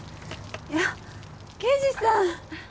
いや刑事さん。